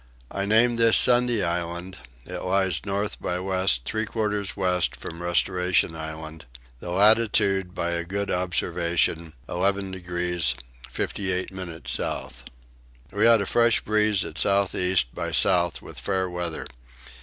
I named this Sunday Island: it lies north by west three quarters west from Restoration Island; the latitude by a good observation 11 degrees 58 minutes south. We had a fresh breeze at south east by south with fair weather.